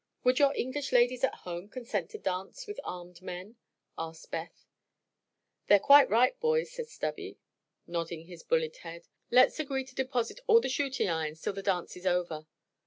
"Would your English ladies at home consent to dance with armed men?" asked Beth. "They're quite right, boys," said Stubby, nodding his bullethead. "Let's agree to deposit all the shooting irons 'til the dance is over."